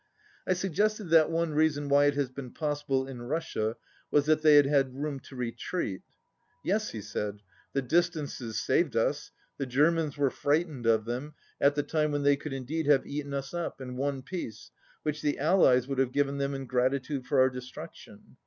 I suggested that one reason why it had been pos sible in Russia was that they had had room to retreat. "Yes," he said. "The distances saved us. The Germans were frightened of them, at the time when they could indeed have eaten us up, and won peace, which the Allies would have given them in gratitude for our destruction.